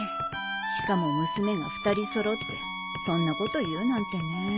しかも娘が２人揃ってそんなこと言うなんてね。